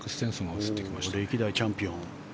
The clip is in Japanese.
歴代チャンピオン。